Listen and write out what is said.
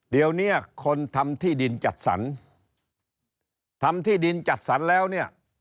เดี๋ยวเนี่ยคนทำที่ดินจัดสรรทำที่ดินจัดสรรแล้วเนี่ย